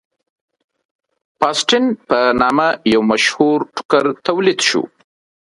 فاسټین په نامه یو مشهور ټوکر تولید شو.